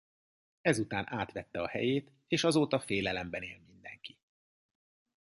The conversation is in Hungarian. Ezután átvette a helyét és azóta félelemben él mindenki.